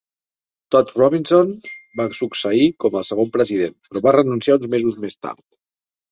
Todd Robinson va succeir com el segon president, però va renunciar uns mesos més tard.